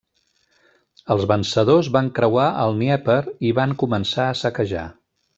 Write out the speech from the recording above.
Els vencedors van creuar el Dnièper i van començar a saquejar.